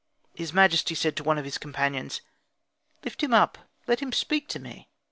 His majesty said to one of the companions, "Lift him up, let him speak to me."